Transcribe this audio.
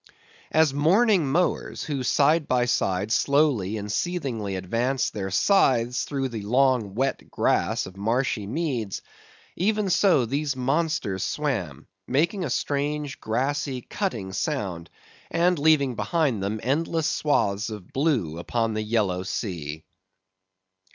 As morning mowers, who side by side slowly and seethingly advance their scythes through the long wet grass of marshy meads; even so these monsters swam, making a strange, grassy, cutting sound; and leaving behind them endless swaths of blue upon the yellow sea.